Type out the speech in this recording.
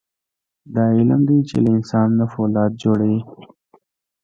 دا علم دی چې له انسان نه فولاد جوړوي.